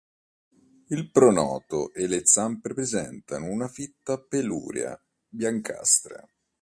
Il pronoto e le zampe presentano una fitta peluria biancastra.